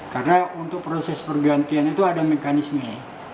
karena untuk proses pergantian itu ada mekanisme